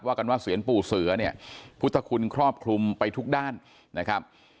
กันว่าเซียนปู่เสือเนี่ยพุทธคุณครอบคลุมไปทุกด้านนะครับ